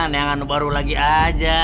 nenganu baru lagi aja